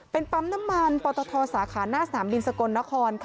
เป็นปั๊มน้ำมันปตทสาขาหน้าสนามบินสกลนคร